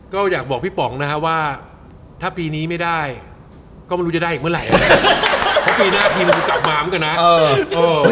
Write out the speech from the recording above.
ก็ไม่รู้จะได้อีกเมื่อไรก็พี่หน้าทีมกับมาเมื่อกันนะ